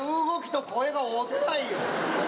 動きと声が合うてないよ。